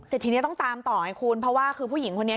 แต่ทีนี้ต้องตามต่อให้คุณเพราะว่าคือผู้หญิงคนนี้